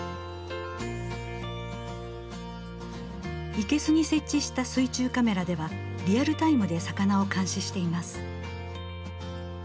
生けすに設置した水中カメラではリアルタイムで魚を監視しています。